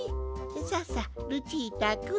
ささルチータくん